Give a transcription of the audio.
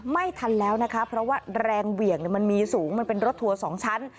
ไม่ทันแล้วนะคะเพราะว่าแรงเหวี่ยงมันมีสูงมันเป็นรถทัวร์๒ชั้น